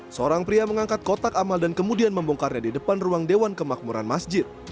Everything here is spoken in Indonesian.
seorang pria mengangkat kotak amal dan kemudian membongkarnya di depan ruang dewan kemakmuran masjid